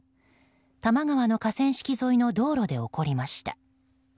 多摩川の河川敷沿いの道路で起きました。